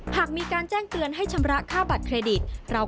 หากมีการแจ้งเตือนให้ชำระค่าบัตรเครดิต